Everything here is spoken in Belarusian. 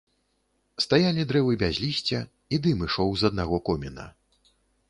Стаялі дрэвы без лісця, і дым ішоў з аднаго коміна.